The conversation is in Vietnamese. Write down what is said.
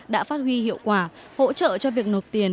đã phát huy hiệu quả hỗ trợ cho việc nộp tiền